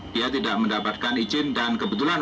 dia tidak mendapatkan izin dan kebetulan